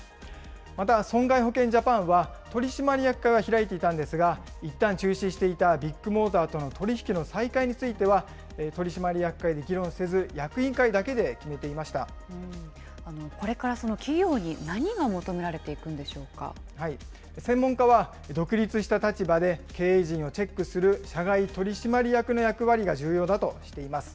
また損害保険ジャパンは、取締役会は開いていたんですが、いったん中止していたビッグモーターとの取り引きの再開については、取締役会で議論せず、役員会だけでこれから企業に何が求められ専門家は、独立した立場で経営陣をチェックする社外取締役の役割が重要だとしています。